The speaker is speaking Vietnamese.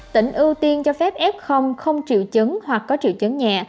tỉnh ưu tiên cho phép f không triệu chứng hoặc có triệu chứng nhẹ